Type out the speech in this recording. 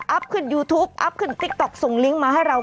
ขึ้นยูทูปอัพขึ้นติ๊กต๊อกส่งลิงก์มาให้เรา